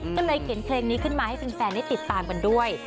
ก็เลยเขียนเพลงนี้ขึ้นมาให้แฟนได้ติดตามกันด้วย